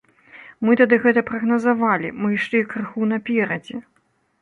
Мы тады гэта прагназавалі, мы ішлі крыху наперадзе.